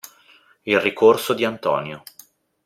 Il ricorso di Antonio.